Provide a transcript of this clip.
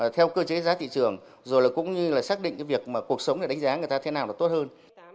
theo cơ chế giá thị trường rồi là cũng như là xác định cái việc mà cuộc sống để đánh giá người ta thế nào là tốt hơn